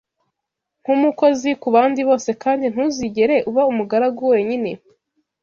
nkumukozi ku bandi bose kandi ntuzigere uba umugaragu wenyine?